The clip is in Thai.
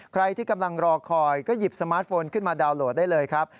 ใครที่กำลังรอคอยก็หยิบสมาร์ทโฟนขึ้นมาดาวน์โหลดได้เลยครับ